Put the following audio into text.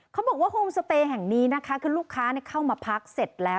เขาบอกว่าโฮมสเตย์แห่งนี้นะคะคือลูกค้าเข้ามาพักเสร็จแล้ว